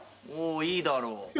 おおいいだろう。